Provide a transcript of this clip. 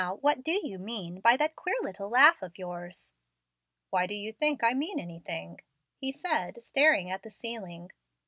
what do you mean by that queer little laugh of yours?" "Why do you think I mean anything?" he said, staring at the ceiling.